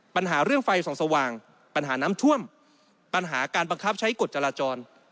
ปัญหาเรื่องไฟส่องสว่างปัญหาน้ำท่วมปัญหาการบังคับใช้กฎจราจร